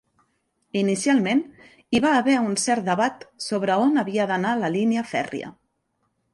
Inicialment hi va haver un cert debat sobre on havia d'anar la línia fèrria.